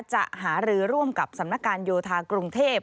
หารือร่วมกับสำนักการโยธากรุงเทพ